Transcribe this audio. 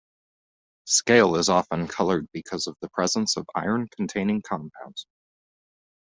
Scale is often coloured because of the presence of iron-containing compounds.